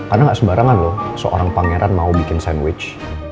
ada gak sebarangan lo seorang pangeran mau bikin sandwich